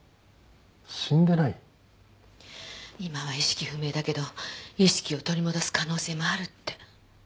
今は意識不明だけど意識を取り戻す可能性もあるって。